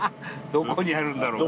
どこにあるんだろうか。